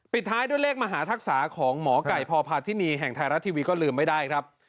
ท้ายด้วยเลขมหาทักษะของหมอไก่พพาธินีแห่งไทยรัฐทีวีก็ลืมไม่ได้ครับ